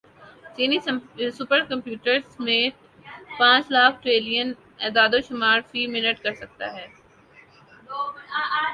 چینی supercomputer summit پانچ lakh trillion اعدادوشمار فی منٹ کر سکتا ہے